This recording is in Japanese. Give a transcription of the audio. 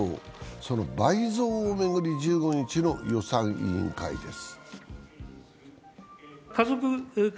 その倍増を巡り、１５日の予算委員会です。